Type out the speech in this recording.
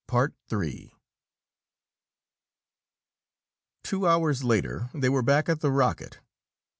Two hours later, they were back at the rocket.